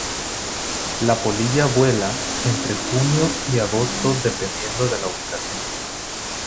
La polilla vuela entre junio y agosto dependiendo de la ubicación.